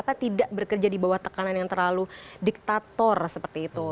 kenapa tidak bekerja di bawah tekanan yang terlalu diktator seperti itu